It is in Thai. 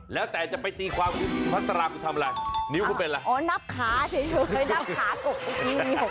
แล้วแต่จะไปตีความภาษาราคุณทำอะไรนิ้วก็เป็นอะไรอ๋อนับขาใช้ช่วยนับขากกกกกกกกก